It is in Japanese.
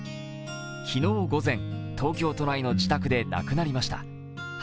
昨日午前、東京都内の自宅で亡くなりました。